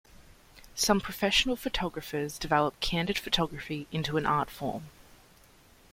Some professional photographers develop candid photography into an art form.